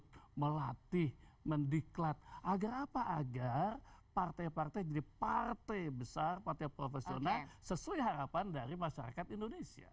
untuk melatih mendiklat agar apa agar partai partai jadi partai besar partai profesional sesuai harapan dari masyarakat indonesia